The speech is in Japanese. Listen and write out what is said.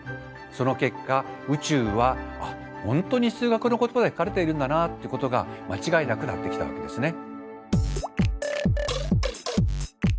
その結果宇宙は本当に数学の言葉で書かれているんだなっていうことが間違いなくなってきたわけですね。